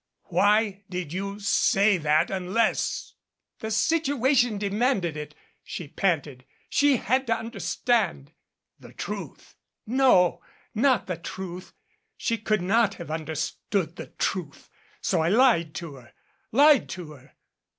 Why did you say that unless " "The situation demanded it," she panted. "She had to understand " "The truth " "No not the truth. She could not have understood the truth so I lied to her lied to her."